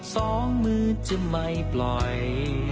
สองมือจะไม่ปล่อย